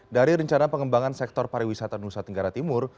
dari rencana pengembangan sektor pariwisata nusa tenggara timur